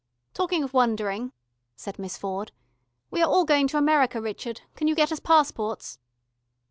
"Talking of wandering," said Miss Ford. "We are all going to America, Richard. Can you get us passports?"